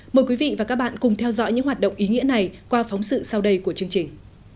mời quý vị và các bạn cùng theo dõi những hoạt động ý nghĩa này qua phóng sự sau đây của chương trình